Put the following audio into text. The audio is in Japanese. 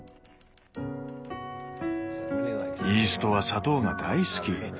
イーストは砂糖が大好き。